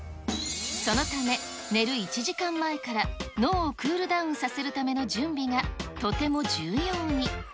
そのため、寝る１時間前から脳をクールダウンさせるための準備がとても重要に。